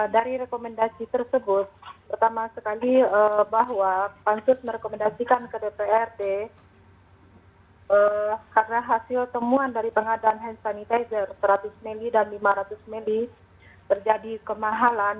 dari rekomendasi tersebut pertama sekali bahwa pansus merekomendasikan ke dprd karena hasil temuan dari pengadaan hand sanitizer seratus meli dan lima ratus ml terjadi kemahalan